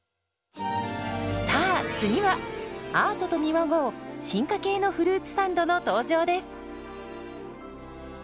さあ次はアートと見まごう進化系のフルーツサンドの登場です。